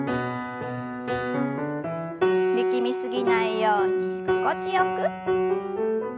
力み過ぎないように心地よく。